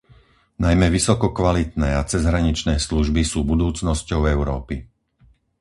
Najmä vysoko kvalitné a cezhraničné služby sú budúcnosťou Európy.